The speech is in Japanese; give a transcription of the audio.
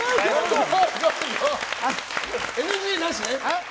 ＮＧなしね。